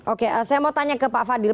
oke saya mau tanya ke pak fadil